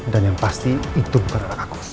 dan yang pasti itu bukan anak aku